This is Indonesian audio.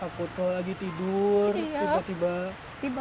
takut kalau lagi tidur tiba tiba